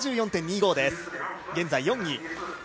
７４．２５で現在４位。